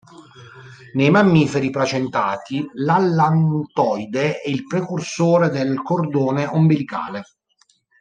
Nei mammiferi placentati l'allantoide è il precursore del cordone ombelicale.